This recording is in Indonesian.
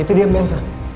itu dia mbak elsa